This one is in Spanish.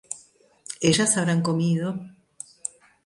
ellas habrán comido